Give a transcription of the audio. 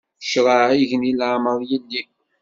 Ccṛaɛ igenni leɛmeṛ yelli.